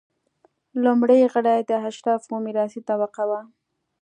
لومړي غړي د اشرافو میراثي طبقه وه.